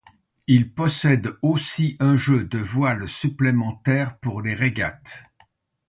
Il possède aussi un jeu de voiles supplémentaires pour les régates.